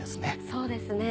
そうですね